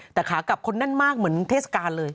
แต่ขากลับคนแน่นมากเหมือนเทศกาลเลย